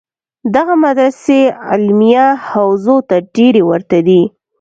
دغه مدرسې علمیه حوزو ته ډېرې ورته دي.